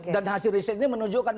dan hasil risetnya menunjukkan